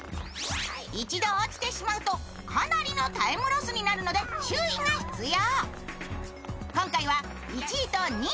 一度落ちてしまうと、かなりのタイムロスになるので注意が必要。